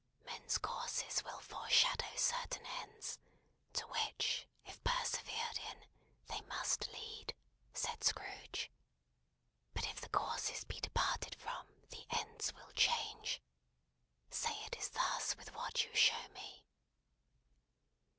"Men's courses will foreshadow certain ends, to which, if persevered in, they must lead," said Scrooge. "But if the courses be departed from, the ends will change. Say it is thus with what you show me!"